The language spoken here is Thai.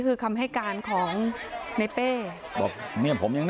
เราผ่านผู้ซ้อยเนี่ย